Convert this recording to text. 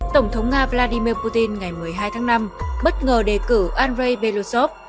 tổng thống nga vladimir putin ngày một mươi hai tháng năm bất ngờ đề cử andrei belosov